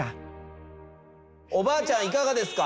おばあちゃんいかがですか？